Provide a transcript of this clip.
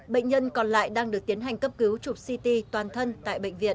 bệnh nhân còn lại đang được tiến hành cấp cứu chụp ct toàn thân tại bệnh viện